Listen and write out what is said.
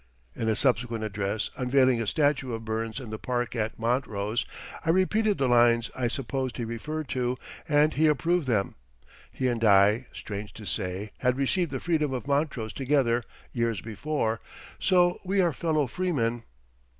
In a subsequent address, unveiling a statue of Burns in the park at Montrose, I repeated the lines I supposed he referred to, and he approved them. He and I, strange to say, had received the Freedom of Montrose together years before, so we are fellow freemen.